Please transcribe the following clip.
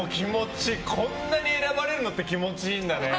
こんな選ばれるのって気持ちいいんだね。